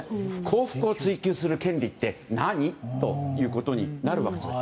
幸福を追求する権利って何ということになるわけです。